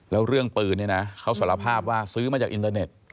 แล้วเรื่องปืนเนี่ยนะเขาสารภาพว่าซื้อมาจากอินเตอร์เน็ต